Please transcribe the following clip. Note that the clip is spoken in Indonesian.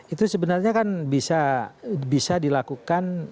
itu sebenarnya kan bisa dilakukan